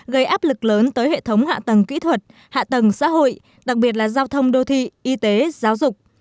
gây áp lực lớn tới hệ thống hạ tầng kỹ thuật hạ tầng xã hội đặc biệt là giao thông đô thị y tế giáo dục